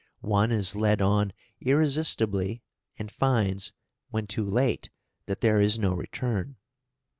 One is led on irresistibly, and finds, when too late, that there is no return.